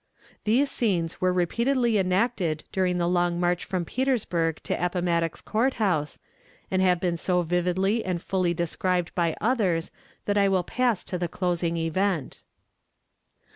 These scenes were repeatedly enacted during the long march from Petersburg to Appomattox Court House, and have been so vividly and fully described by others that I will pass to the closing event.